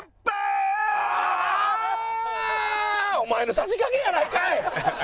お前のさじ加減やないかい！